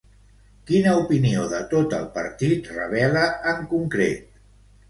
Quina opinió de tot el partit revela en concret?